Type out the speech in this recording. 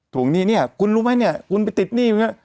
วงหนี้เนี่ยคุณรู้ไหมเนี่ยคุณไปติดหนี้